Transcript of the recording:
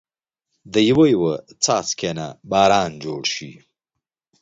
دا يو يو څاڅکي نه باران جوړ شي